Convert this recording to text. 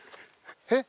えっ？